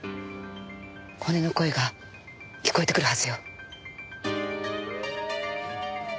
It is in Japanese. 骨の声が聞こえてくるはずよ。